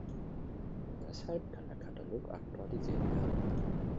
Deshalb kann der Katalog aktualisiert werden.